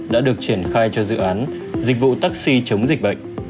đã được triển khai cho dự án dịch vụ taxi chống dịch bệnh